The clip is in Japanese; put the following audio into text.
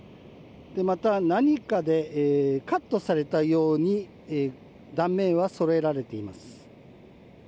また、何かでカットされたように断面はそろえられています。